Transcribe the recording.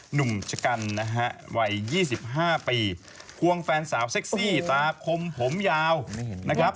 หนุ่มชะกันนะฮะวัย๒๕ปีควงแฟนสาวเซ็กซี่ตาคมผมยาวนะครับ